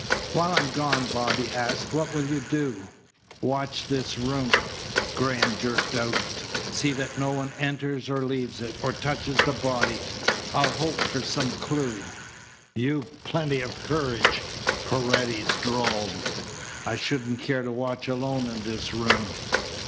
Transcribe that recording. "While I'm gone," Bobby asked, "what will you do?" "Watch this room," Graham jerked out. "See that no one enters or leaves it, or touches the body. I'll hope for some clue." "You've plenty of courage," Paredes drawled. "I shouldn't care to watch alone in this room."